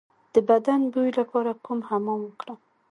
د بدن د بوی لپاره کوم حمام وکړم؟